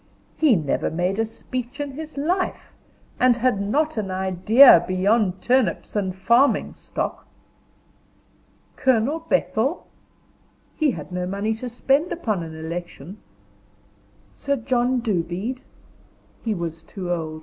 He never made a speech in his life, and had not an idea beyond turnips and farming stock. Colonel Bethel? He had no money to spend upon an election. Sir John Dobede? He was too old.